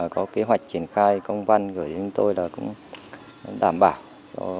có kế hoạch triển khai công văn gửi chúng tôi là cũng đảm bảo